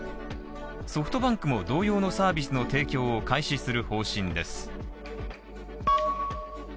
ソフトバンクも同様のサービスの提供を開始する方針です。